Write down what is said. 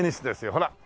ほら。